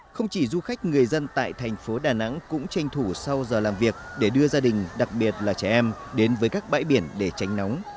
không chỉ du khách người dân tại thành phố đà nẵng cũng tranh thủ sau giờ làm việc để đưa gia đình đặc biệt là trẻ em đến với các bãi biển để tránh nóng